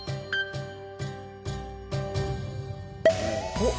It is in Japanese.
おっ！